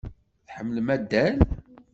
Tḥemmel addal?